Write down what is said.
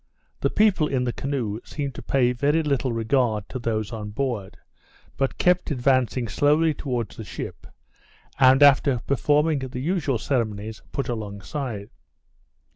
The people in the canoe seemed to pay very little regard to those on board, but kept advancing slowly towards the ship, and after performing the usual ceremonies, put along side.